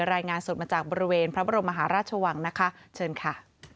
รายงานสดมาจากบริเวณพระบรมมหาราชวังนะคะเชิญค่ะ